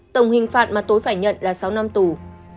tổng hình phạt mà tối phải nhận là sáu năm tù